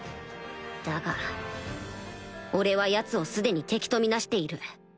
だが俺はヤツを既に敵と見なしている